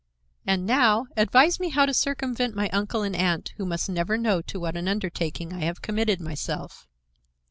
And now, advise me how to circumvent my uncle and aunt, who must never know to what an undertaking I have committed myself."